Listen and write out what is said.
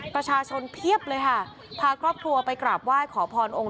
ประชาชนเพียบเลยค่ะพาครอบครัวไปกราบไหว้ขอพรองค์